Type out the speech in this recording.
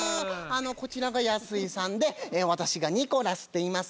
こちらがやすいさんで私がにこらすっていいます